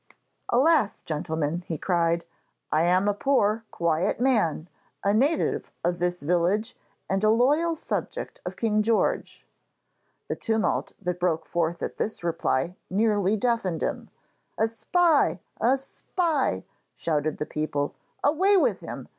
'Alas! gentlemen,' he cried; 'I am a poor, quiet man, a native of this village and a loyal subject of King George.' The tumult that broke forth at this reply nearly deafened him. 'A spy! a spy!' shouted the people, 'away with him!